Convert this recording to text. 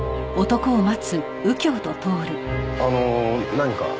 あのー何か？